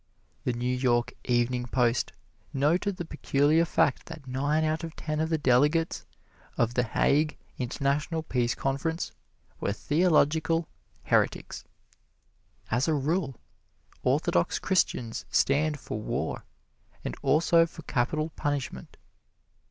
The New York "Evening Post" noted the peculiar fact that nine out of ten of the delegates at The Hague International Peace Conference were theological heretics. As a rule, Orthodox Christians stand for war, and also for capital punishment.